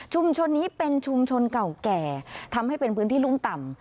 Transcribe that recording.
นี้เป็นชุมชนเก่าแก่ทำให้เป็นพื้นที่รุ่มต่ำ